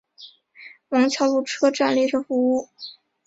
王桥路车站列车服务。